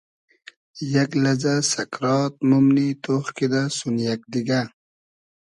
یئگ لئزۂ سئکرات مومنی تۉخ کیدۂ سون یئگ دیگۂ